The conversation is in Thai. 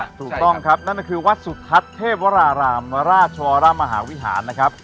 ถูกต้องครับนั่นก็คือวัดสุทัศน์เทพวรารามราชวรมหาวิหารนะครับ